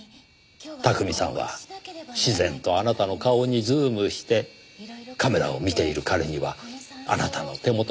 巧さんは自然とあなたの顔にズームしてカメラを見ている彼にはあなたの手元が見えなくなる。